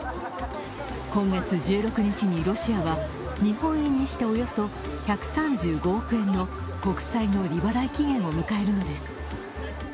今月１６日にロシアは、日本円にしておよそ１３５億円の国債の利払い期限を迎えるのです。